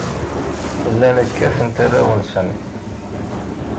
Llan kkaten arraw-nsen.